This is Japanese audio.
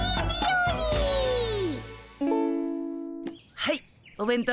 はいお弁当。